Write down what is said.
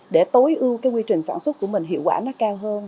để tối ưu quy trình sản xuất của mình hiệu quả cao hơn